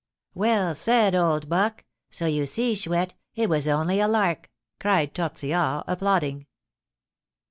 "Well said, old buck! So, you see, Chouette, it was only a lark," cried Tortillard, applauding.